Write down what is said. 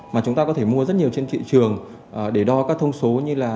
mà chúng ta có thể mua rất nhiều trên thị trường để đo các thông số như là